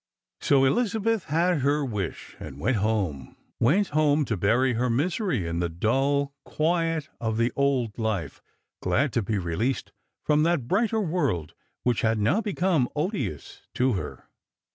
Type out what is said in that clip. So Elizabeth had her wish, and went home ; went home to bury her misery in the dull quiet of the old life, glad to be released from that brighter world which had now become odious to her.